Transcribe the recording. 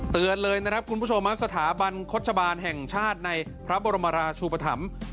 เตือนเลยนะครับคุณผู้ชมสถาบันโฆษบาลแห่งชาติในพระบรมราชูปธรรม